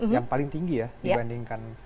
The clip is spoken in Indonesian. yang paling tinggi ya dibandingkan